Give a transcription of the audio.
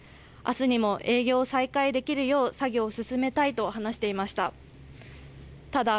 あすにも営業を再開できるよう作業を進めたいと話していました。